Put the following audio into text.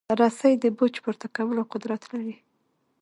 رسۍ د بوج پورته کولو قدرت لري.